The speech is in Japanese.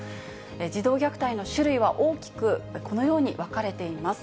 児童虐待の種類は大きく、このように分かれています。